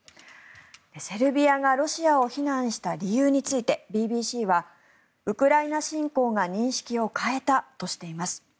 セルビアがロシアを非難した理由についてＢＢＣはウクライナ侵攻が認識を変えたとしています。